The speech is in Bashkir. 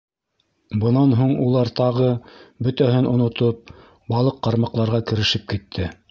Бынан һуң улар тағы, бөтәһен онотоп, балыҡ ҡармаҡларға керешеп китте.